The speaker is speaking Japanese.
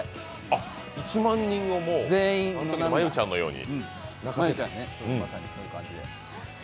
あ、１万人をもう、真悠ちゃんのように。